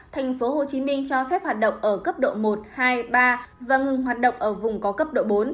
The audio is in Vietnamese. tp hcm cho phép hoạt động ở cấp độ một hai ba và ngừng hoạt động ở vùng có cấp độ bốn